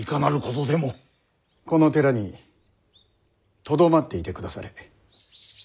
この寺にとどまっていてくだされ。